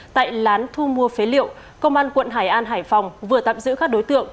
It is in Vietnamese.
tại lán thu mua phế liệu công an quận hải an hải phòng vừa tạm giữ các đối tượng